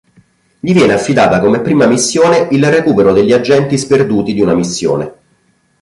Gli viene affidata come prima missione il recupero degli agenti sperduti di una missione.